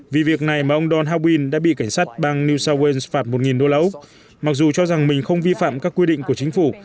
vì việc này mà ông don howin đã bị cảnh sát bang new south wales phạt một đô la úc mặc dù cho rằng mình không vi phạm các quy định của chính phủ